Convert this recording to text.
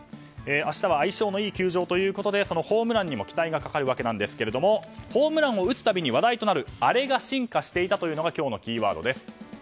明日は相性のいい球場ということでそのホームランにも期待がかかりますがホームランを打つ度話題となるあれが進化していたというのが今日のキーワードです。